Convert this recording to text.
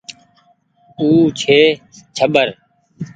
او ڇي ڇٻر ۔